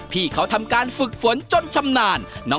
พี่เขาทำการฝึกฝนจนชำนาญ